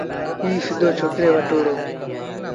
ائيٚݩ سڌو ڇوڪريٚ وٽ وُهڙو۔